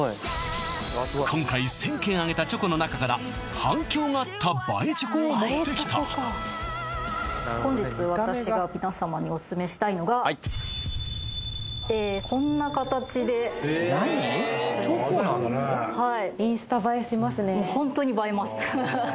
今回１０００件あげたチョコのなかから反響があった映えチョコを持ってきた本日私が皆様にオススメしたいのがこんな形でホントに映えます